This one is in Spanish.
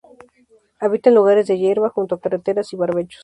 Habita en lugares de hierba, junto a carreteras y barbechos.